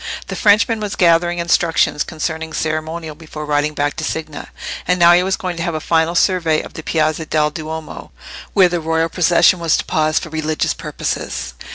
The Frenchman was gathering instructions concerning ceremonial before riding back to Signa, and now he was going to have a final survey of the Piazza del Duomo, where the royal procession was to pause for religious purposes.